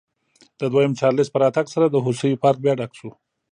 د دویم چارلېز په راتګ سره د هوسیو پارک بیا ډک شو.